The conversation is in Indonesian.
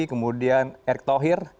kemudian erick thohir